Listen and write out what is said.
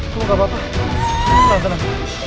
kamu gak apa apa tenang tenang